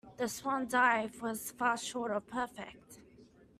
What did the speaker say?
The swan dive was far short of perfect.